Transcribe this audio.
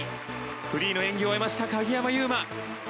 フリーの演技を終えました、鍵山優真。